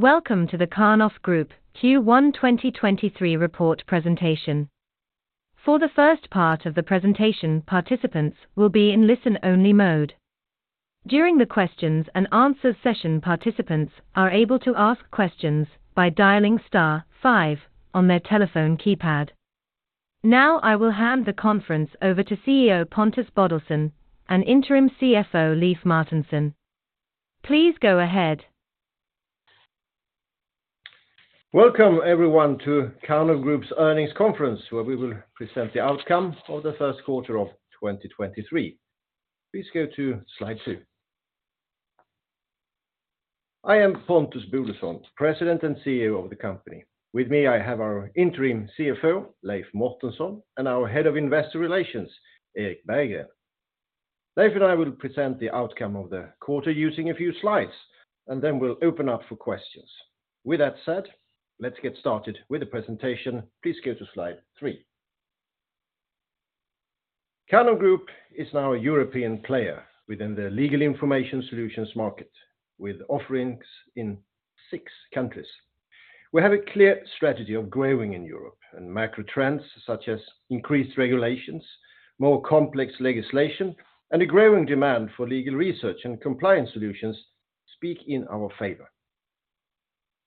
Welcome to the Karnov Group Q1 2023 report presentation. For the first part of the presentation, participants will be in listen-only mode. During the questions and answers session, participants are able to ask questions by dialing star five on their telephone keypad. I will hand the conference over to CEO Pontus Bodelsson and Interim CFO Leif Mårtensson. Please go ahead. Welcome everyone to Karnov Group's earnings conference, where we will present the outcome of Q1, 2023. Please go to slide 2. I am Pontus Bodelsson, President and CEO of the company. With me, I have our Interim CFO, Leif Mårtensson, and our Head of Investor Relations, Erik Berggren. Leif and I will present the outcome of the quarter using a few slides, and then we'll open up for questions. With that said, let's get started with the presentation. Please go to slide 3. Karnov Group is now a European player within the legal information solutions market with offerings in six countries. We have a clear strategy of growing in Europe and macro trends such as increased regulations, more complex legislation, and a growing demand for legal research and compliance solutions speak in our favor.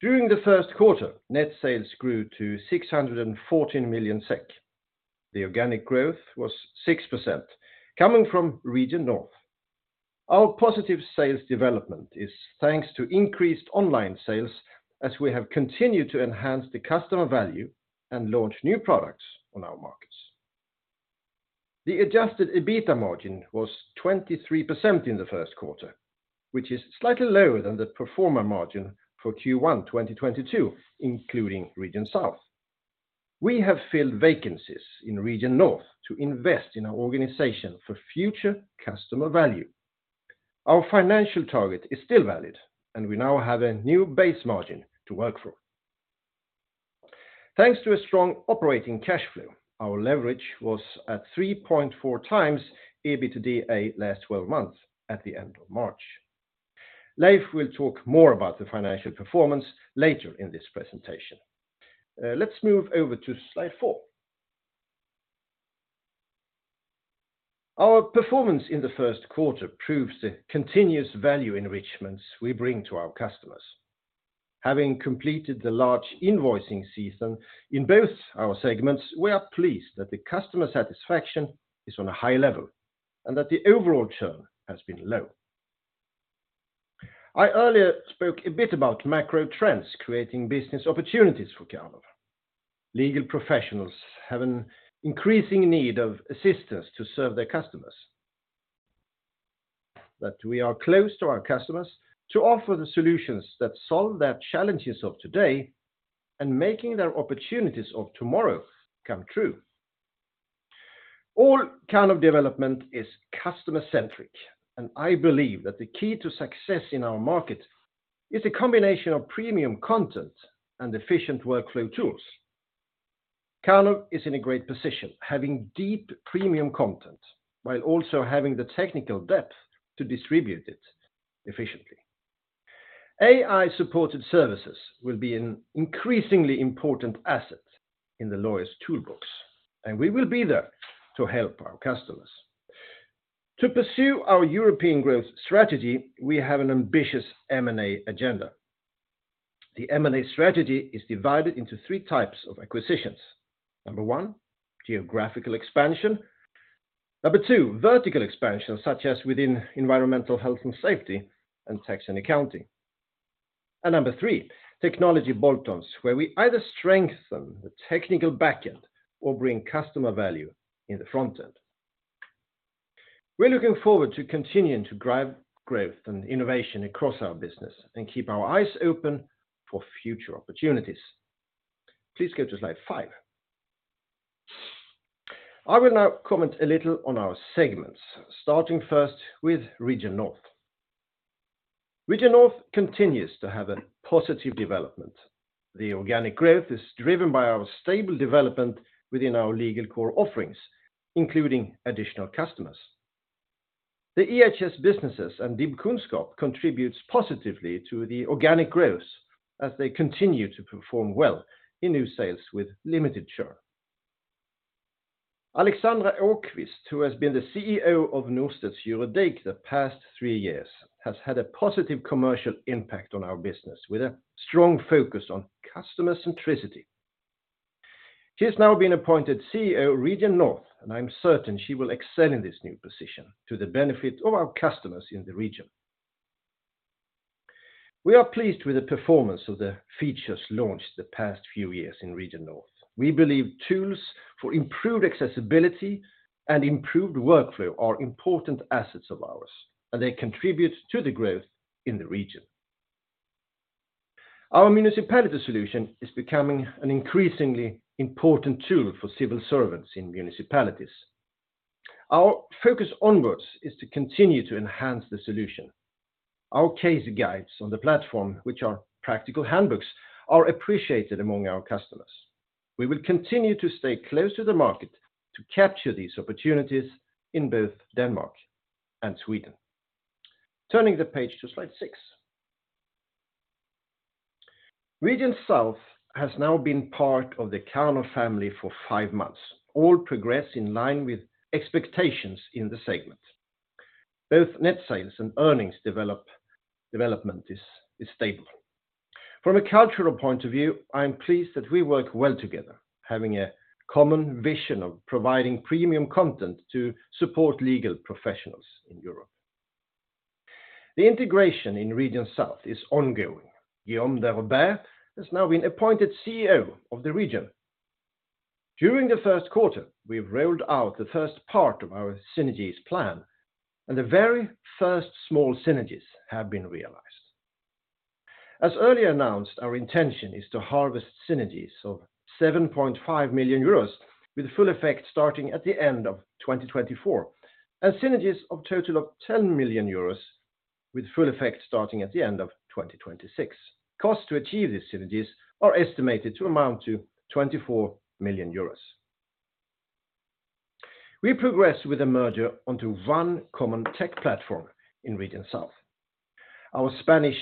During Q1, net sales grew to 614 million SEK. The organic growth was 6% coming from Region North. Our positive sales development is thanks to increased online sales as we have continued to enhance the customer value and launch new products on our markets. The adjusted EBITA margin was 23% in Q1, which is slightly lower than the pro forma margin for Q1 2022, including Region South. We have filled vacancies in Region North to invest in our organization for future customer value. Our financial target is still valid, and we now have a new base margin to work from. Thanks to a strong operating cash flow, our leverage was at 3.4x EBITDA last 12 months at the end of March. Leif will talk more about the financial performance later in this presentation. Let's move over to slide four. Our performance in Q1 proves the continuous value enrichments we bring to our customers. Having completed the large invoicing season in both our segments, we are pleased that the customer satisfaction is on a high level and that the overall churn has been low. I earlier spoke a bit about macro trends creating business opportunities for Karnov. Legal professionals have an increasing need of assistance to serve their customers. That we are close to our customers to offer the solutions that solve their challenges of today and making their opportunities of tomorrow come true. All Karnov development is customer-centric, and I believe that the key to success in our market is a combination of premium content and efficient workflow tools. Karnov is in a great position having deep premium content while also having the technical depth to distribute it efficiently. AI-supported services will be an increasingly important asset in the lawyer's toolbox. We will be there to help our customers. To pursue our European growth strategy, we have an ambitious M&A agenda. The M&A strategy is divided into 3 types of acquisitions. Number 1, geographical expansion. Number 2, vertical expansion, such as within environmental health and safety and tax and accounting. Number 3, technology bolt-ons, where we either strengthen the technical backend or bring customer value in the front end. We're looking forward to continuing to drive growth and innovation across our business and keep our eyes open for future opportunities. Please go to slide 5. I will now comment a little on our segments, starting first with Region North. Region North continues to have a positive development. The organic growth is driven by our stable development within our legal core offerings, including additional customers. The EHS businesses and DIBkunnskap contributes positively to the organic growth as they continue to perform well in new sales with limited churn. Alexandra Åquist, who has been the CEO of Norstedts Juridik the past 3 years, has had a positive commercial impact on our business with a strong focus on customer centricity. She has now been appointed CEO, Region North, and I'm certain she will excel in this new position to the benefit of our customers in the region. We are pleased with the performance of the features launched the past few years in Region North. We believe tools for improved accessibility and improved workflow are important assets of ours, and they contribute to the growth in the region. Our municipality solution is becoming an increasingly important tool for civil servants in municipalities. Our focus onwards is to continue to enhance the solution. Our case guides on the platform, which are practical handbooks, are appreciated among our customers. We will continue to stay close to the market to capture these opportunities in both Denmark and Sweden. Turning the page to slide six. Region South has now been part of the Karnov family for five months. All progress in line with expectations in the segment. Both net sales and earnings development is stable. From a cultural point of view, I am pleased that we work well together, having a common vision of providing premium content to support legal professionals in Europe. The integration in Region South is ongoing. Guillaume Deroubaix has now been appointed CEO of the region. During Q1, we've rolled out the first part of our synergies plan, and the very first small synergies have been realized. As earlier announced, our intention is to harvest synergies of 7.5 million euros, with full effect starting at the end of 2024, and synergies of total of 10 million euros with full effect starting at the end of 2026. Costs to achieve these synergies are estimated to amount to 24 million euros. We progress with a merger onto one common tech platform in Region South. Our Spanish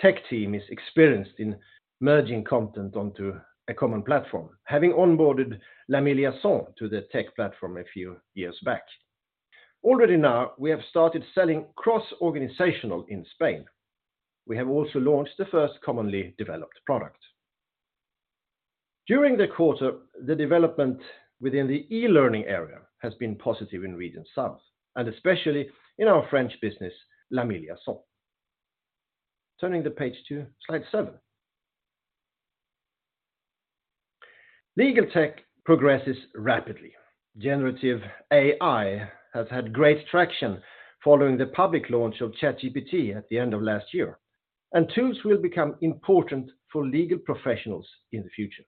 tech team is experienced in merging content onto a common platform, having onboarded Lamy Liaisons to the tech platform a few years back. Already now, we have started selling cross-organizational in Spain. We have also launched the first commonly developed product. During the quarter, the development within the e-learning area has been positive in Region South, and especially in our French business, Lamy Liaisons. Turning the page to slide 7. Legal tech progresses rapidly. Generative AI has had great traction following the public launch of ChatGPT at the end of last year. Tools will become important for legal professionals in the future.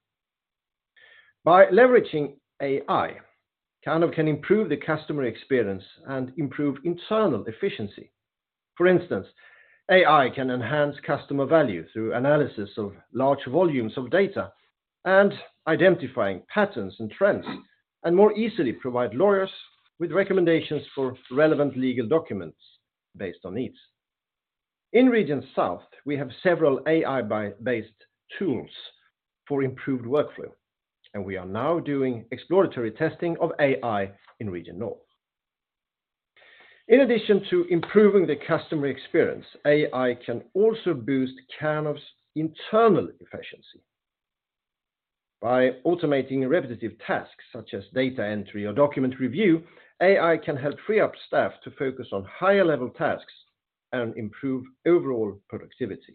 By leveraging AI, Karnov can improve the customer experience and improve internal efficiency. For instance, AI can enhance customer value through analysis of large volumes of data and identifying patterns and trends, and more easily provide lawyers with recommendations for relevant legal documents based on needs. In Region South, we have several AI-based tools for improved workflow. We are now doing exploratory testing of AI in Region North. In addition to improving the customer experience, AI can also boost Karnov's internal efficiency. By automating repetitive tasks, such as data entry or document review, AI can help free up staff to focus on higher level tasks and improve overall productivity.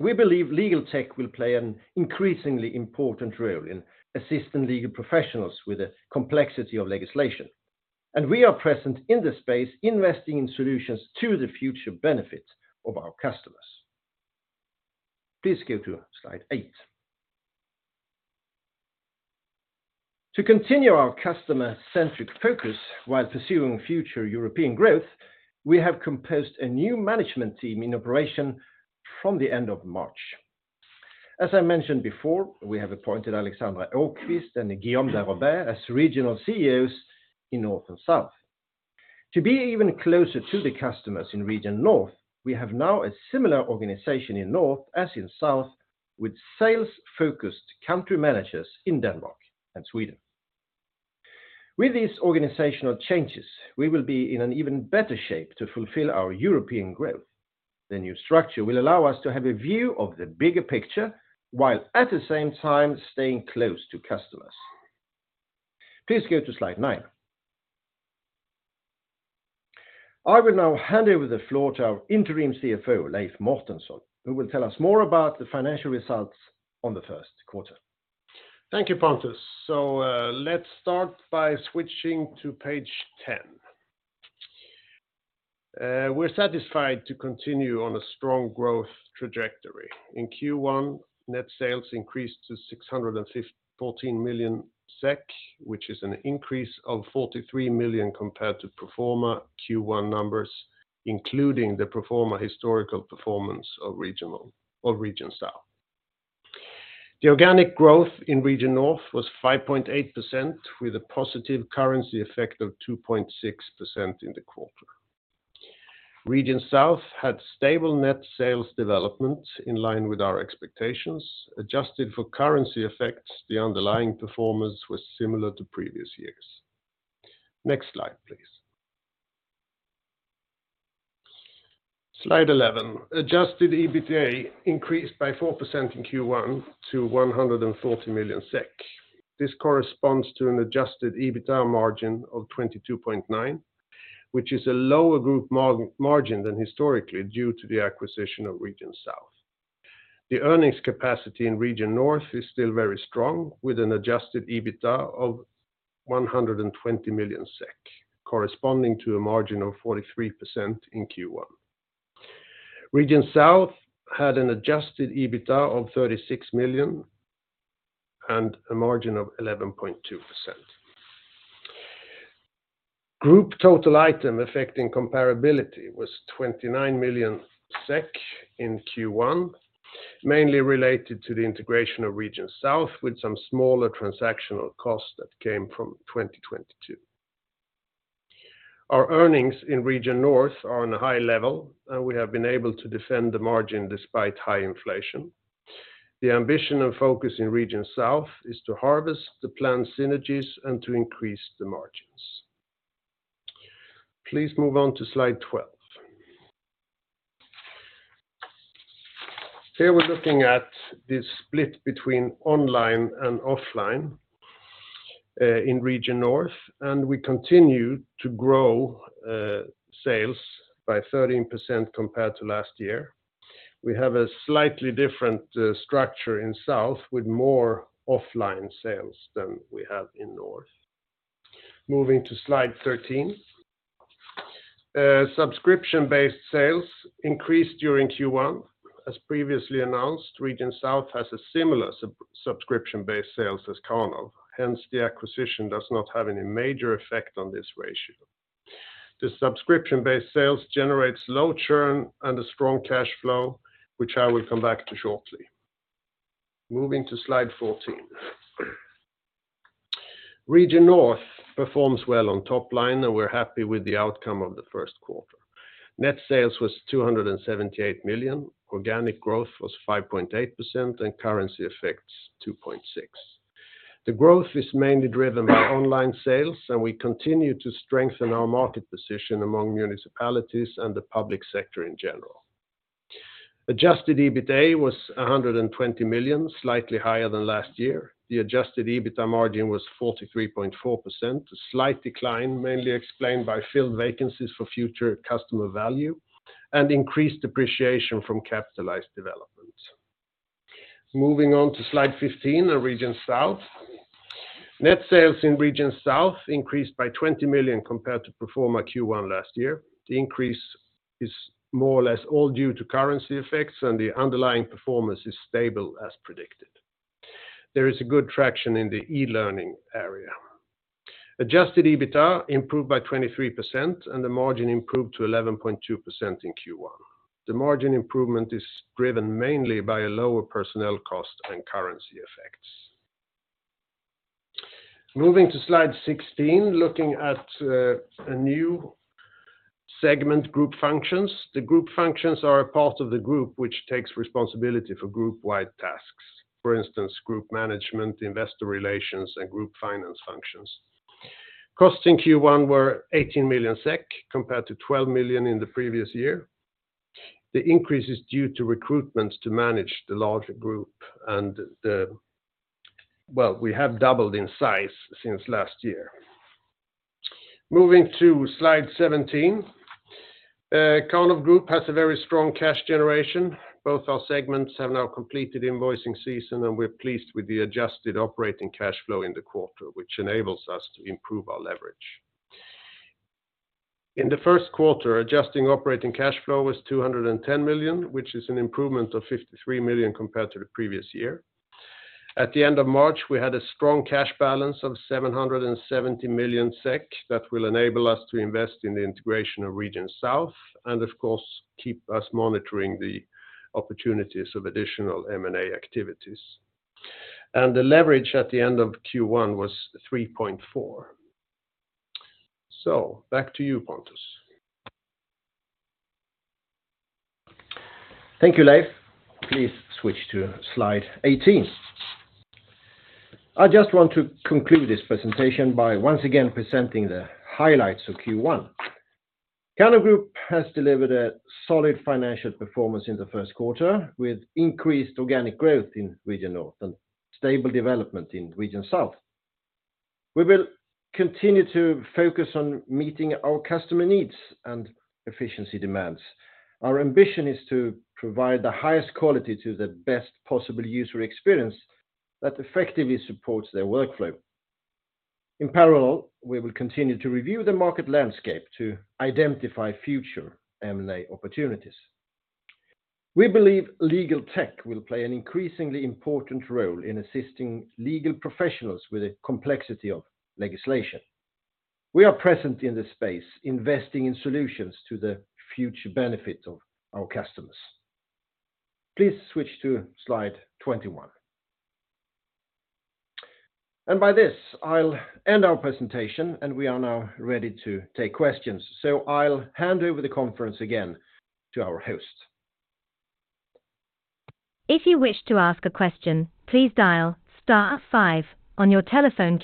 We believe legal tech will play an increasingly important role in assisting legal professionals with the complexity of legislation. We are present in this space investing in solutions to the future benefit of our customers. Please go to slide 8. To continue our customer-centric focus while pursuing future European growth, we have composed a new management team in operation from the end of March. As I mentioned before, we have appointed Alexandra Åquist and Guillaume Deroubaix as regional CEOs in Region North and Region South. To be even closer to the customers in Region North, we have now a similar organization in Region North as in Region South with sales-focused country managers in Denmark and Sweden. With these organizational changes, we will be in an even better shape to fulfill our European growth. The new structure will allow us to have a view of the bigger picture while at the same time staying close to customers. Please go to slide 9. I will now hand over the floor to our Interim CFO Leif Mårtensson, who will tell us more about the financial results on Q1. Thank you, Pontus. Let's start by switching to page 10. We're satisfied to continue on a strong growth trajectory. In Q1, net sales increased to 614 million SEK, which is an increase of 43 million compared to pro forma Q1 numbers, including the pro forma historical performance of Region South. The organic growth in Region North was 5.8% with a positive currency effect of 2.6% in the quarter. Region South had stable net sales development in line with our expectations. Adjusted for currency effects, the underlying performance was similar to previous years. Next slide, please. Slide 11. Adjusted EBITDA increased by 4% in Q1 to 140 million SEK. This corresponds to an adjusted EBITDA margin of 22.9%, which is a lower group margin than historically due to the acquisition of Region South. The earnings capacity in Region North is still very strong, with an adjusted EBITDA of 120 million SEK, corresponding to a margin of 43% in Q1. Region South had an adjusted EBITDA of 36 million and a margin of 11.2%. Group total item affecting comparability was 29 million SEK in Q1. Mainly related to the integration of Region South with some smaller transactional costs that came from 2022. Our earnings in Region North are on a high level, and we have been able to defend the margin despite high inflation. The ambition and focus in Region South is to harvest the planned synergies and to increase the margins. Please move on to slide 12. Here we're looking at this split between online and offline, in Region North, and we continue to grow sales by 13% compared to last year. We have a slightly different structure in South with more offline sales than we have in North. Moving to slide 13. Subscription-based sales increased during Q1. As previously announced, Region South has a similar subscription-based sales as Karnov, hence, the acquisition does not have any major effect on this ratio. The subscription-based sales generates low churn and a strong cash flow, which I will come back to shortly. Moving to slide 14. Region North performs well on top line, and we're happy with the outcome of Q1. Net sales was 278 million, organic growth was 5.8%, and currency effects 2.6%. The growth is mainly driven by online sales. We continue to strengthen our market position among municipalities and the public sector in general. Adjusted EBITA was 120 million, slightly higher than last year. The adjusted EBITA margin was 43.4%, a slight decline mainly explained by filled vacancies for future customer value and increased depreciation from capitalized development. Moving on to slide 15 on Region South. Net sales in Region South increased by 20 million compared to pro forma Q1 last year. The increase is more or less all due to currency effects. The underlying performance is stable as predicted. There is a good traction in the e-learning area. Adjusted EBITA improved by 23%, and the margin improved to 11.2% in Q1. The margin improvement is driven mainly by a lower personnel cost and currency effects. Moving to slide 16, looking at a new segment group functions. The group functions are a part of the group which takes responsibility for group-wide tasks. For instance, group management, investor relations, and group finance functions. Costs in Q1 were 18 million SEK, compared to 12 million in the previous year. The increase is due to recruitment to manage the larger group and Well, we have doubled in size since last year. Moving to slide 17. Karnov Group has a very strong cash generation. Both our segments have now completed invoicing season, and we're pleased with the adjusted operating cash flow in the quarter, which enables us to improve our leverage. In Q1, adjusting operating cash flow was 210 million, which is an improvement of 53 million compared to the previous year. At the end of March, we had a strong cash balance of 770 million SEK that will enable us to invest in the integration of Region South and of course, keep us monitoring the opportunities of additional M&A activities. The leverage at the end of Q1 was 3.4. Back to you, Pontus. Thank you, Leif. Please switch to slide 18. I just want to conclude this presentation by once again presenting the highlights of Q1. Karnov Group has delivered a solid financial performance in Q1 with increased organic growth in Region North and stable development in Region South. We will continue to focus on meeting our customer needs and efficiency demands. Our ambition is to provide the highest quality to the best possible user experience that effectively supports their workflow. In parallel, we will continue to review the market landscape to identify future M&A opportunities. We believe legal tech will play an increasingly important role in assisting legal professionals with the complexity of legislation. We are present in this space, investing in solutions to the future benefit of our customers. Please switch to slide 21. By this, I'll end our presentation, and we are now ready to take questions. I'll hand over the conference again to our host. If you wish to ask a question, please dial star five on your telephone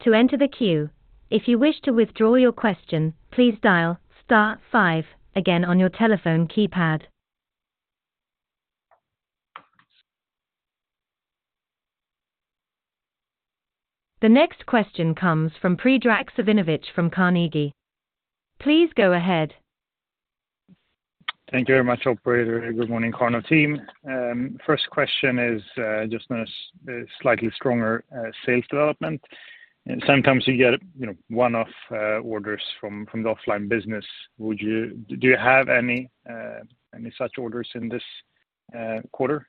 keypad to enter the queue. If you wish to withdraw your question, please dial star five again on your telephone keypad. The next question comes from Predrag Savinovic from Carnegie. Please go ahead. Thank you very much, operator. Good morning, Karnov team. First question is, just on a slightly stronger sales development. Sometimes you get, you know, one-off orders from the offline business. Do you have any such orders in this quarter?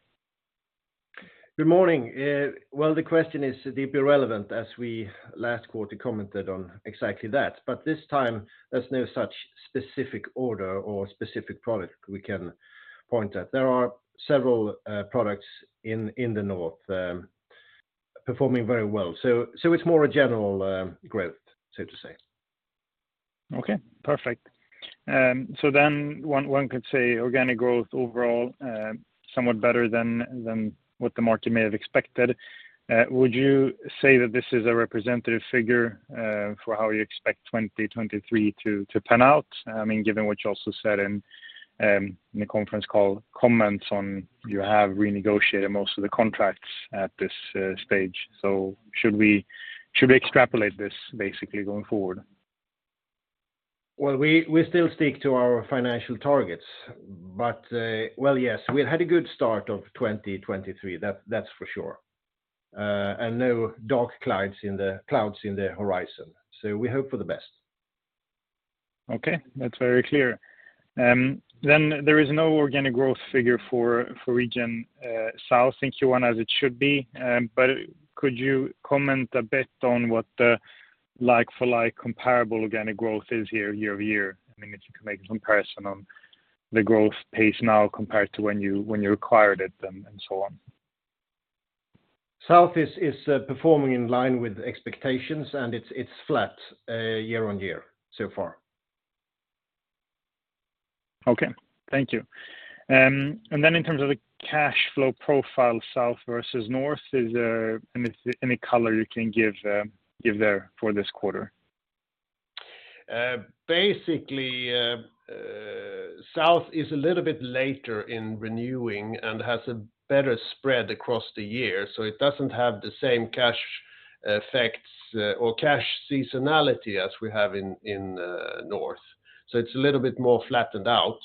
Good morning. Well, the question is deeply relevant as we last quarter commented on exactly that. This time, there's no such specific order or specific product we can point at. There are several products in the North performing very well. It's more a general growth, so to say. Okay. Perfect. One could say organic growth overall somewhat better than what the market may have expected. Would you say that this is a representative figure for how you expect 2023 to pan out? I mean, given what you also said in the conference call comments on you have renegotiated most of the contracts at this stage. Should we extrapolate this basically going forward? Well, we still stick to our financial targets. Well, yes, we had a good start of 2023, that's for sure. No dark clouds in the clouds in the horizon, we hope for the best. Okay. That's very clear. There is no organic growth figure for Region South in Q1 as it should be. Could you comment a bit on what the like for like comparable organic growth is year-over-year? I mean, if you can make a comparison on the growth pace now compared to when you acquired it and so on. South is performing in line with expectations, and it's flat, year on year so far. Okay. Thank you. Then in terms of the cash flow profile South versus North, is there any color you can give there for this quarter? Basically, South is a little bit later in renewing and has a better spread across the year, so it doesn't have the same cash effects or cash seasonality as we have in North. It's a little bit more flattened out.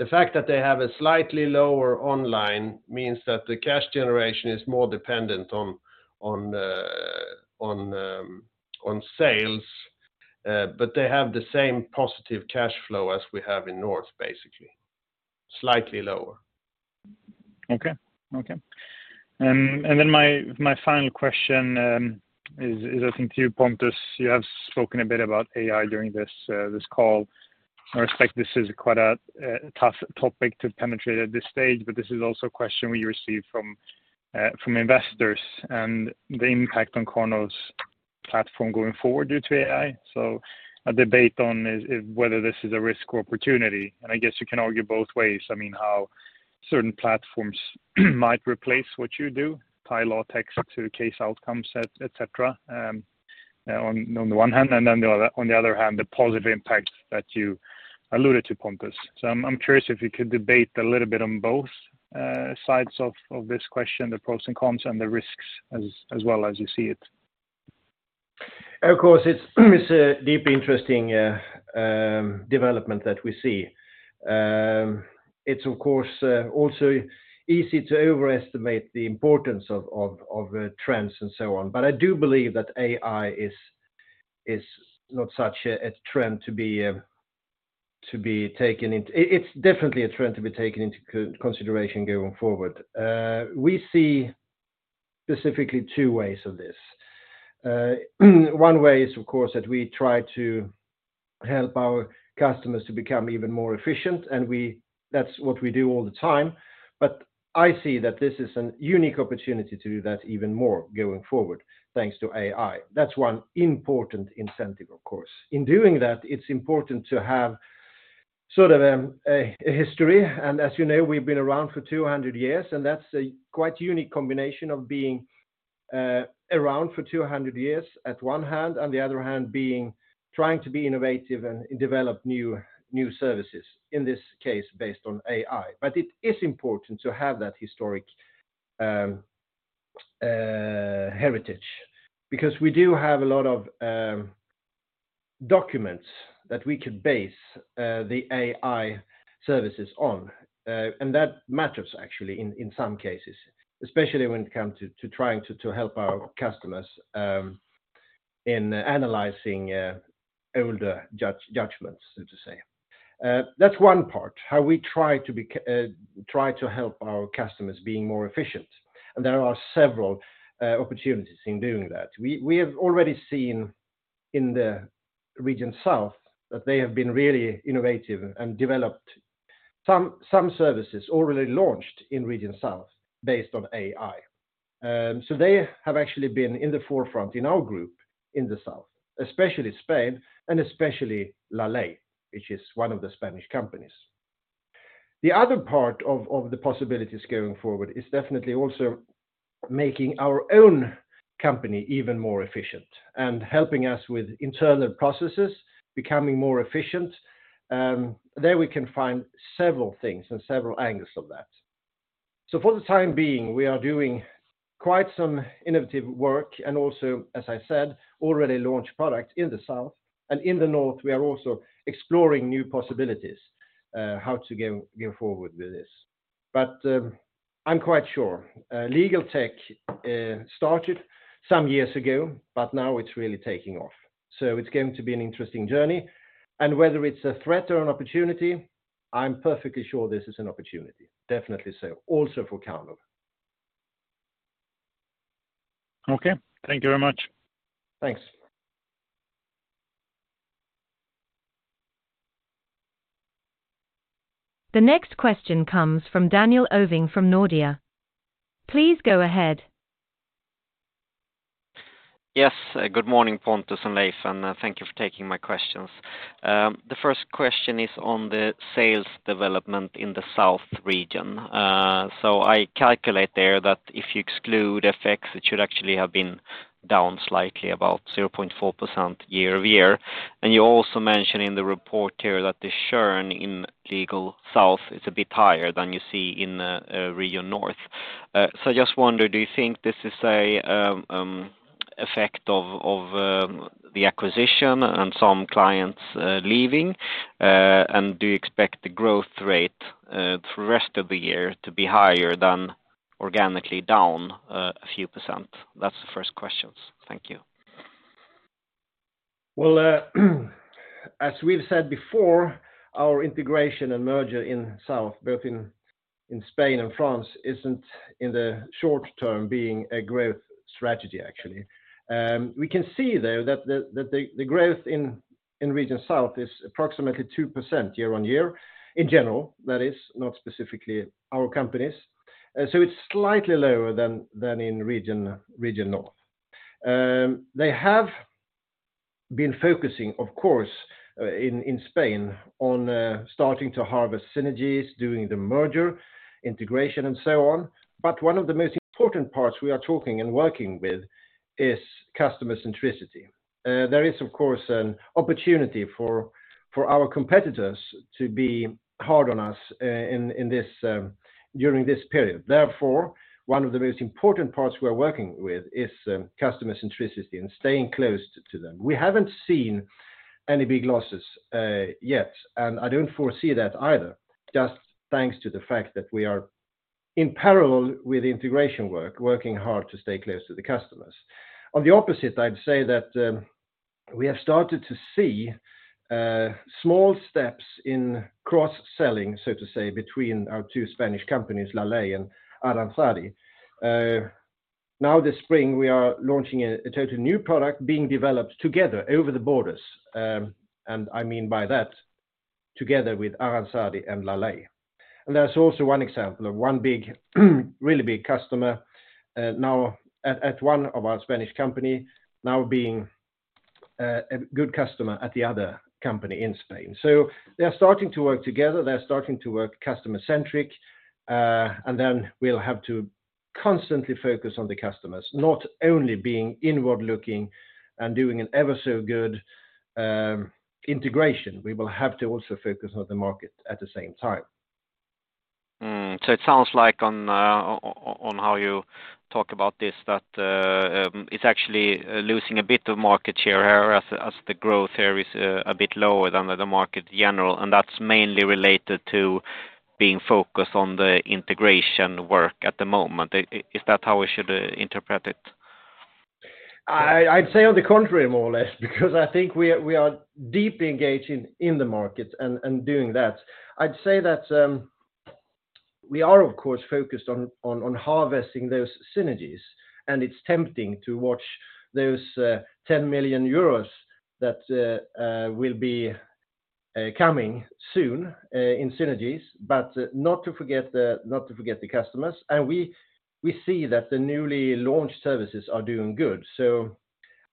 The fact that they have a slightly lower online means that the cash generation is more dependent on sales. They have the same positive cash flow as we have in North, basically. Slightly lower. Okay. Okay. My final question, I think to you, Pontus. You have spoken a bit about AI during this call. I respect this is quite a tough topic to penetrate at this stage, but this is also a question we receive from investors and the impact on JUNO platform going forward due to AI. A debate on whether this is a risk or opportunity. I guess you can argue both ways. I mean, how certain platforms might replace what you do, tie law tech to case outcomes, et cetera, on the one hand, on the other hand, the positive impact that you alluded to, Pontus. I'm curious if you could debate a little bit on both sides of this question, the pros and cons and the risks as well as you see it. Of course, it's a deeply interesting development that we see. It's of course also easy to overestimate the importance of trends and so on. I do believe that AI is not such a trend to be taken into consideration going forward. We see specifically two ways of this. One way is, of course, that we try to help our customers to become even more efficient. That's what we do all the time. I see that this is a unique opportunity to do that even more going forward, thanks to AI. That's one important incentive, of course. In doing that, it's important to have sort of a history. As you know, we've been around for 200 years, and that's a quite unique combination of being around for 200 years at one hand, on the other hand trying to be innovative and develop new services, in this case, based on AI. It is important to have that historic heritage because we do have a lot of documents that we could base the AI services on. That matters actually in some cases, especially when it come to trying to help our customers in analyzing older judgments, so to say. That's one part, how we try to help our customers being more efficient. There are several opportunities in doing that. We have already seen in the Region South that they have been really innovative and developed some services already launched in Region South based on AI. They have actually been in the forefront in our Group in the South, especially Spain, and especially LA LEY , which is one of the Spanish companies. The other part of the possibilities going forward is definitely also making our own company even more efficient and helping us with internal processes becoming more efficient. There we can find several things and several angles of that. For the time being, we are doing quite some innovative work and also, as I said, already launched product in the South. In the Region North, we are also exploring new possibilities how to go forward with this. I'm quite sure legal tech started some years ago, but now it's really taking off. It's going to be an interesting journey. Whether it's a threat or an opportunity, I'm perfectly sure this is an opportunity. Definitely so, also for Karnov. Okay. Thank you very much. Thanks. The next question comes from Daniel Ovin from Nordea. Please go ahead. Yes. Good morning, Pontus Bodelsson and Leif Mårtensson, and thank you for taking my questions. The first question is on the sales development in Region South. I calculate there that if you exclude effects, it should actually have been down slightly, about 0.4% year-over-year. You also mention in the report here that the churn in legal South is a bit higher than you see in Region North. I just wonder, do you think this is a effect of the acquisition and some clients leaving? Do you expect the growth rate through the rest of the year to be higher than organically down a few %? That's the first questions. Thank you. Well, as we've said before, our integration and merger in South, both in Spain and France, isn't in the short term being a growth strategy, actually. We can see, though, that the growth in Region South is approximately 2% year-on-year. In general, that is, not specifically our companies. So it's slightly lower than in Region North. They have been focusing, of course, in Spain on starting to harvest synergies, doing the merger, integration and so on. One of the most important parts we are talking and working with is customer centricity. There is, of course, an opportunity for our competitors to be hard on us in this during this period. Therefore, one of the most important parts we are working with is customer centricity and staying close to them. We haven't seen any big losses yet, and I don't foresee that either, just thanks to the fact that we are in parallel with the integration work, working hard to stay close to the customers. On the opposite, I'd say that we have started to see small steps in cross-selling, so to say, between our two Spanish companies, LA LEY and Aranzadi. Now this spring, we are launching a total new product being developed together over the borders, and I mean by that together with Aranzadi and LA LEY. There's also one example of one big, really big customer now at one of our Spanish company now being a good customer at the other company in Spain. They are starting to work together, they are starting to work customer-centric, and then we'll have to constantly focus on the customers, not only being inward-looking and doing an ever so good integration. We will have to also focus on the market at the same time. It sounds like on how you talk about this that it's actually losing a bit of market share here as the growth here is a bit lower than the market general, and that's mainly related to being focused on the integration work at the moment. Is that how we should interpret it? I'd say on the contrary, more or less, because I think we are deeply engaged in the market and doing that. I'd say that we are of course focused on harvesting those synergies, and it's tempting to watch those 10 million euros that will be coming soon in synergies. Not to forget the customers. We see that the newly launched services are doing good.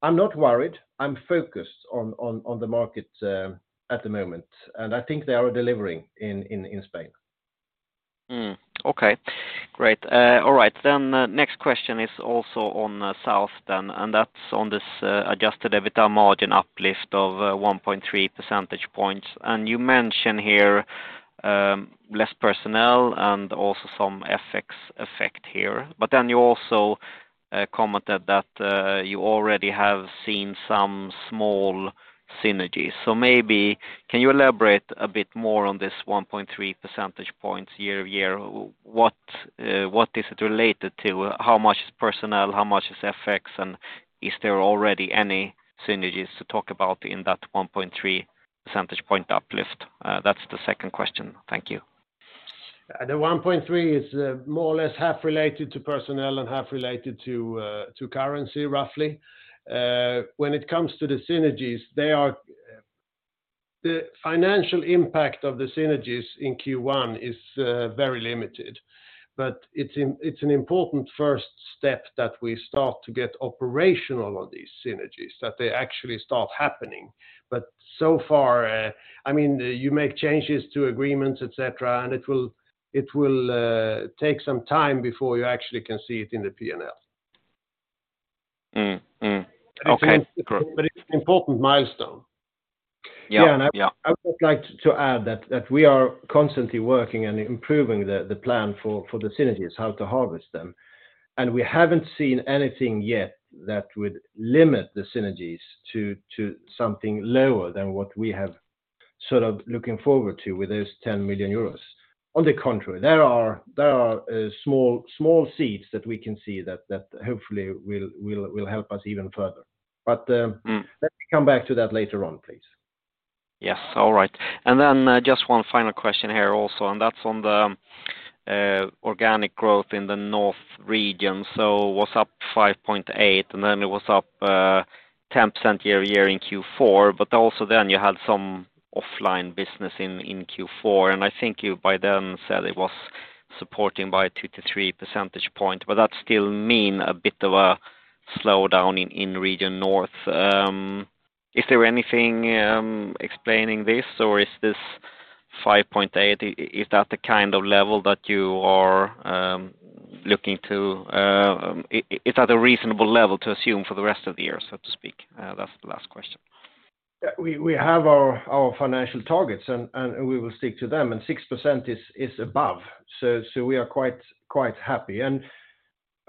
I'm not worried. I'm focused on the market at the moment, and I think they are delivering in Spain. Okay. Great. All right. The next question is also on South then, and that's on this adjusted EBITDA margin uplift of 1.3 percentage points. You mention here less personnel and also some FX effect here. You also commented that you already have seen some small synergies. Maybe can you elaborate a bit more on this 1.3 percentage points year-over-year? What is it related to? How much is personnel? How much is FX? Is there already any synergies to talk about in that 1.3 percentage point uplift? That's the second question. Thank you. The 1.3 is more or less half related to personnel and half related to currency, roughly. When it comes to the synergies, the financial impact of the synergies in Q1 is very limited, but it's an important first step that we start to get operational on these synergies, that they actually start happening. So far, I mean, you make changes to agreements, et cetera, and it will take some time before you actually can see it in the P&L. Okay. Great. It's an important milestone. Yeah. Yeah. I would like to add that we are constantly working and improving the plan for the synergies, how to harvest them. We haven't seen anything yet that would limit the synergies to something lower than what we have sort of looking forward to with those €10 million. On the contrary, there are small seeds that we can see that hopefully will help us even further. Mm. Let me come back to that later on, please. Yes. All right. Just one final question here also, and that's on the organic growth in Region North. Was up 5.8, and then it was up 10% year-over-year in Q4. Also then you had some offline business in Q4, and I think you by then said it was supporting by 2-3 percentage points. That still mean a bit of a slowdown in Region North. Is there anything explaining this? Is this 5.8, is that the kind of level that you are looking to? Is that a reasonable level to assume for the rest of the year, so to speak? That's the last question. Yeah. We have our financial targets, and we will stick to them. Six percent is above, so we are quite happy.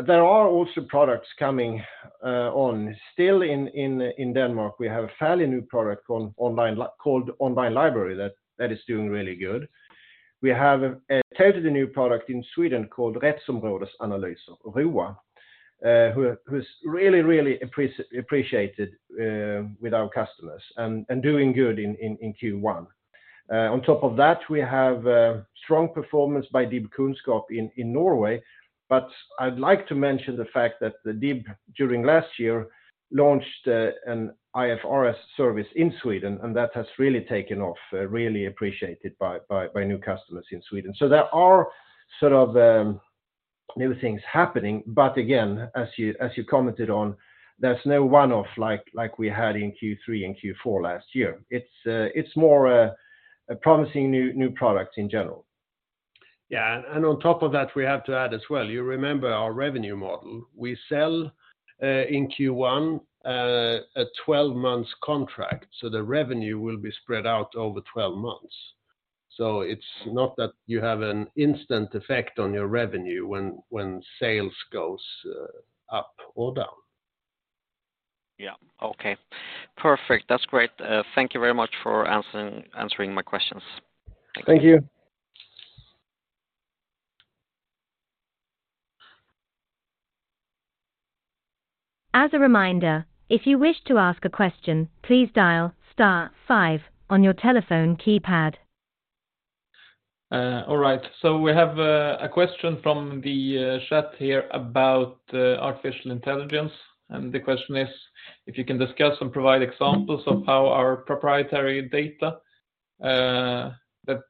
There are also products coming on still in Denmark. We have a fairly new product called Online Library that is doing really good. We have a totally new product in Sweden called Rättsområdesanalyser, ROA, who's really appreciated with our customers and doing good in Q1. On top of that, we have a strong performance by DIBkunnskap in Norway. I'd like to mention the fact that the DIB during last year launched an IFRS service in Sweden, and that has really taken off, really appreciated by new customers in Sweden. There are sort of new things happening. Again, as you commented on, there's no one-off like we had in Q3 and Q4 last year. It's more a promising new products in general. Yeah. On top of that, we have to add as well, you remember our revenue model. We sell in Q1 a 12 months contract, so the revenue will be spread out over 12 months. It's not that you have an instant effect on your revenue when sales goes up or down. Yeah. Okay. Perfect. That's great. Thank you very much for answering my questions. Thank you. As a reminder, if you wish to ask a question, please dial star five on your telephone keypad. All right. The question is if you can discuss and provide examples of how our proprietary data, that,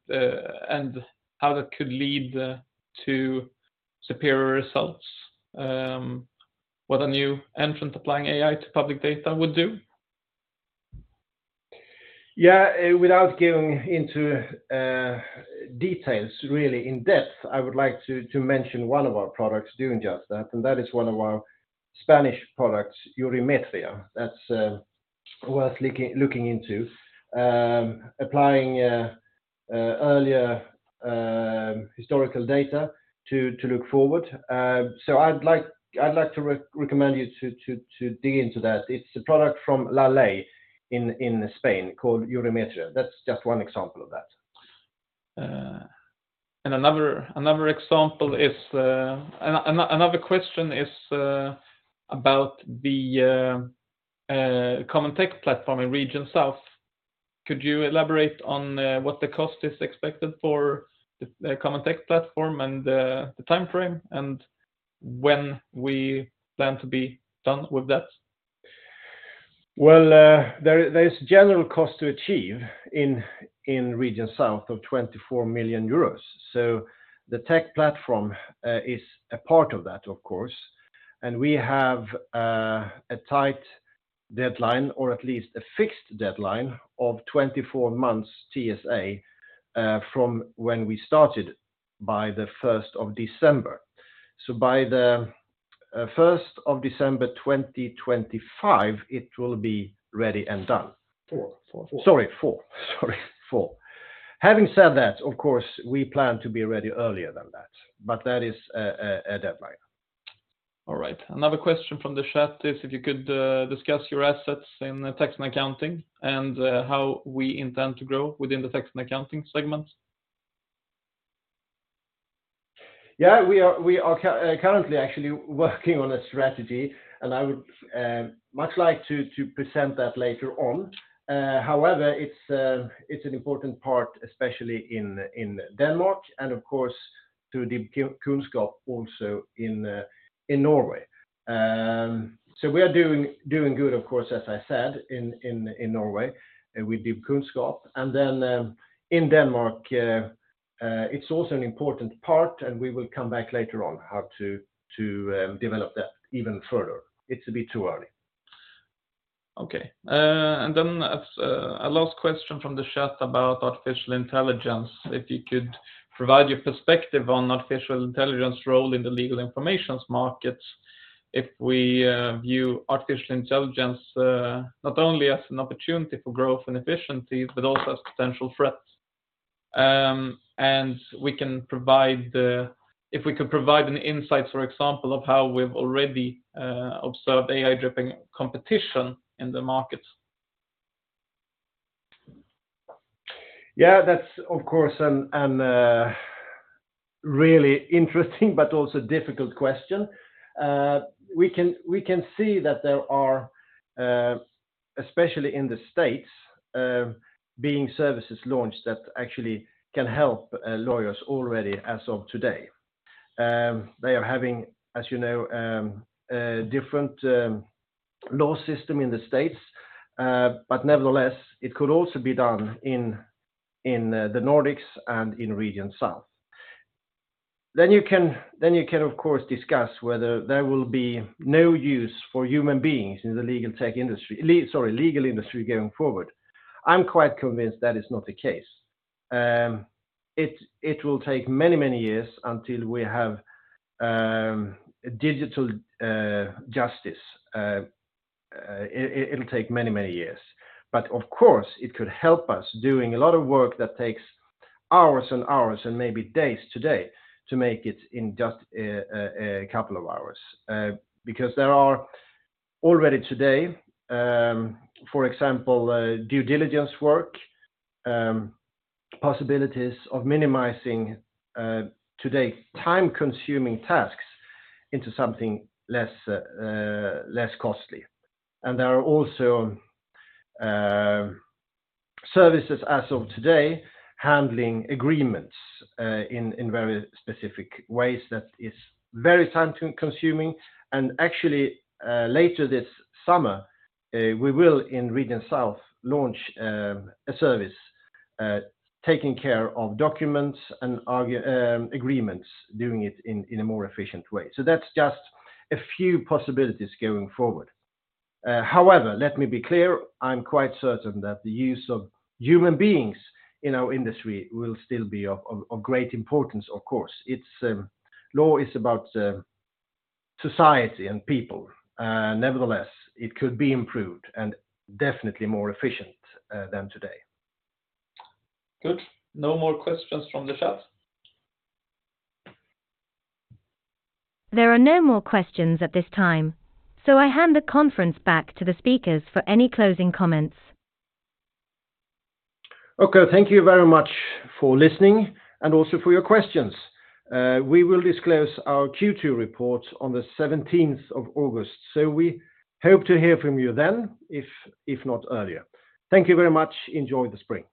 and how that could lead to superior results, what a new entrant applying AI to public data would do. Yeah. Without giving into details really in depth, I would like to mention one of our products doing just that, and that is one of our Spanish products, Jurimetría. That's worth looking into, applying earlier historical data to look forward. I'd like to re-recommend you to dig into that. It's a product from La Ley in Spain called Jurimetría. That's just one example of that. Another question is about the common tech platform in Region South. Could you elaborate on what the cost is expected for the common tech platform and the timeframe, and when we plan to be done with that? Well, there's general cost to achieve in Region South of 24 million euros. The tech platform is a part of that, of course. We have a tight deadline, or at least a fixed deadline of 24 months TSA, from when we started by the 1st of December. By the 1st of December 2025, it will be ready and done. 4. Sorry, four. Having said that, of course, we plan to be ready earlier than that, but that is a deadline. All right. Another question from the chat is if you could discuss your assets in tax and accounting and how we intend to grow within the tax and accounting segment. Yeah, we are currently actually working on a strategy, I would much like to present that later on. However, it's an important part, especially in Denmark and of course through DIBkunnskap also in Norway. We are doing good, of course, as I said in Norway with DIBkunnskap. In Denmark, it's also an important part, and we will come back later on how to develop that even further. It's a bit too early. Okay. As a last question from the chat about artificial intelligence, if you could provide your perspective on artificial intelligence role in the legal information markets, if we view artificial intelligence not only as an opportunity for growth and efficiencies, but also as potential threat? If we could provide an insight, for example, of how we've already observed AI-driven competition in the market. Yeah. That's of course a really interesting but also difficult question. We can see that there are, especially in the States, being services launched that actually can help lawyers already as of today. They are having, as you know, a different law system in the States. Nevertheless, it could also be done in the Nordics and in Region South. You can of course discuss whether there will be no use for human beings in the legal tech industry, legal industry going forward. I'm quite convinced that is not the case. It will take many, many years until we have digital justice. It'll take many, many years. Of course, it could help us doing a lot of work that takes hours and hours and maybe days today to make it in just a couple of hours. Because there are already today, for example, due diligence work, possibilities of minimizing today time-consuming tasks into something less costly. There are also services as of today handling agreements in very specific ways that is very time-consuming. Actually, later this summer, we will in Region South launch a service taking care of documents and agreements, doing it in a more efficient way. That's just a few possibilities going forward. However, let me be clear, I'm quite certain that the use of human beings in our industry will still be of great importance, of course. It's law is about society and people. Nevertheless, it could be improved and definitely more efficient than today. Good. No more questions from the chat. There are no more questions at this time, I hand the conference back to the speakers for any closing comments. Okay. Thank you very much for listening and also for your questions. We will disclose our Q2 report on the 17th of August, so we hope to hear from you then, if not earlier. Thank you very much. Enjoy the spring.